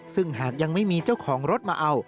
ซึ่งหากยังไม่มีเจ้าของรถมาเอา